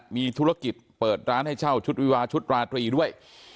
มีธุรกิจเปิดร้านให้เช่าชุดวิวาชุดราตรีด้วย